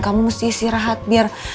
kamu mesti istirahat biar